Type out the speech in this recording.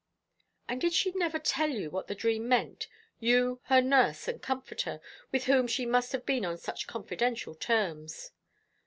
'" "And did she never tell you what the dream meant you, her nurse and comforter, with whom she must have been on such confidential terms?"